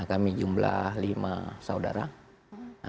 ini jumlah lima saudara